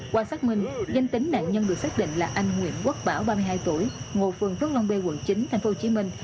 qua xác minh danh tính nạn nhân được xác định là anh nguyễn quốc bảo ba mươi hai tuổi ngồi phường phước long b quận chín tp hcm